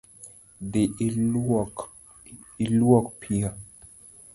Dhii iluok piyo